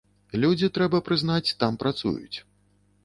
Людзі, трэба, прызнаць, там працуюць.